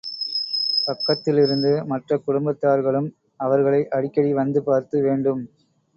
பக்கத்திலிருந்து மற்றக் குடும்பத்தார்களும் அவர்களை அடிக்கடி வந்து பார்த்து வேண்டும்.